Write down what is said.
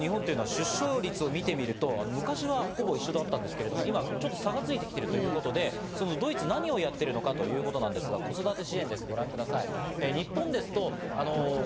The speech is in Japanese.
出生率を見てみると昔はほぼ同じだったんですが、今、差がついてきているということでドイツが何をやってるかということ、こちらをご覧ください。